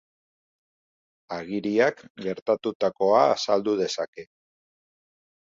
Agiriak gertatutakoa azaldu dezake.